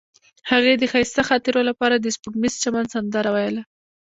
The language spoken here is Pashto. هغې د ښایسته خاطرو لپاره د سپوږمیز چمن سندره ویله.